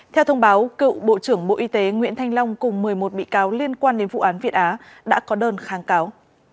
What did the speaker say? theo thông báo cựu bộ trưởng bộ y tế nguyễn thanh long cùng một mươi một bị cáo liên quan đến vụ án việt á đã có đơn kháng cáo